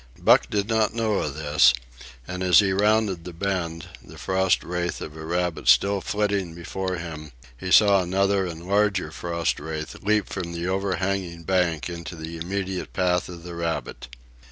Buck did not know of this, and as he rounded the bend, the frost wraith of a rabbit still flitting before him, he saw another and larger frost wraith leap from the overhanging bank into the immediate path of the rabbit.